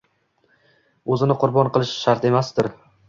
o‘zini qurbon qilish shart emasdir?